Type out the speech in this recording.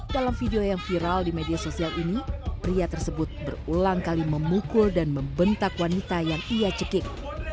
dalam video yang viral di media sosial ini pria tersebut berulang kali memukul dan membentak wanita yang ia cekik